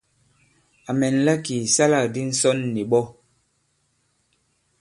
À mɛ̀nla kì ìsalâkdi ǹsɔn nì ɓɔ.